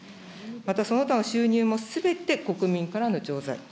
またその他の収入もすべて国民からの浄財。